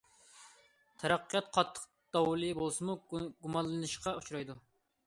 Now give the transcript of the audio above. تەرەققىيات قاتتىق داۋلى بولسىمۇ گۇمانلىنىشقا ئۇچرايدۇ.